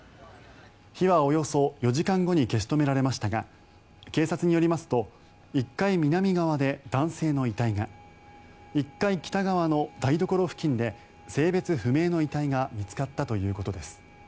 火はおよそ４時間後に消し止められましたが警察によりますと１階南側で男性の遺体が１階北側の台所付近で性別不明の遺体が見つかったということです。